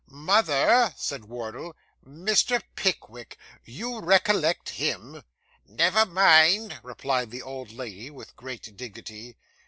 'Mother,' said Wardle, 'Mr. Pickwick. You recollect him?' 'Never mind,' replied the old lady, with great dignity.